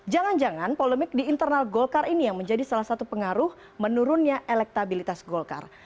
jangan jangan polemik di internal golkar ini yang menjadi salah satu pengaruh menurunnya elektabilitas golkar